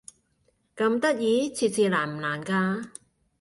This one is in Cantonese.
咁得意？設置難唔難㗎？